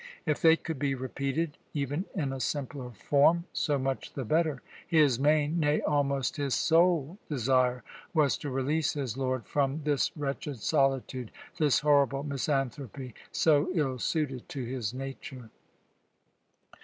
If they could be repeated, even in a simpler form, so much the better. His main nay, almost his sole desire was to release his lord from this wretched solitude, this horrible misanthropy, so ill suited to his nature.